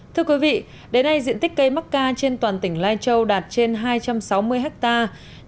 thưa quý vị đến nay diện tích cây mắc ca trên toàn tỉnh lai châu đạt trên hai trăm sáu mươi hectare